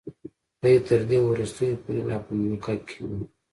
دی تر دې وروستیو پورې لا په مکه کې و.